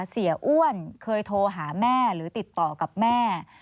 เสียอ้วนเคยโทรหาแม่หรือติดต่อกับแม่